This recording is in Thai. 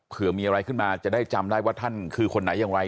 เผื่อมีอะไรขึ้นมาจะได้จำได้ว่าท่านคือคนไหนอย่างไร